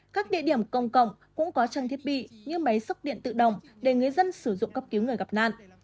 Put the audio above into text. các địa điểm công cộng cũng có trang thiết bị như máy sốc điện tự động để người dân sử dụng cấp cứu người gặp nạn